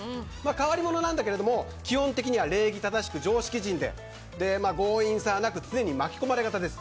変わり者なんだけど基本的には礼儀正しく常識人で強引さはなく常に巻き込まれ型です。